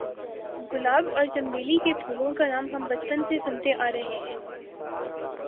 گلاب اور چنبیلی کے پھولوں کا نام ہم بچپن سے سنتے آ رہے ہیں